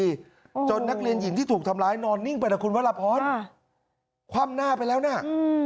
จนนักเรียนหญิงที่ถูกทำร้ายนอนนิ่งไปนะคุณวรพรค่ะคว่ำหน้าไปแล้วน่ะอืม